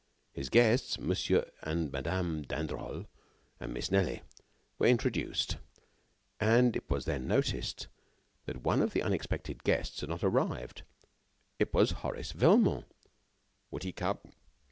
His guests, Monsieur and Madame d'Androl and Miss Nelly, were introduced; and it was then noticed that one of the expected guests had not arrived. It was Horace Velmont. Would he come?